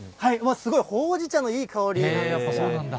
うわっ、すごい、ほうじ茶のいい香りが。